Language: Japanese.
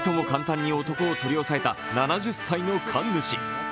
簡単に男を取り押さえた７０歳の神主。